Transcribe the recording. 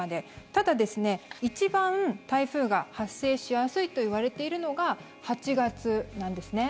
ただ、一番台風が発生しやすいといわれているのが８月なんです。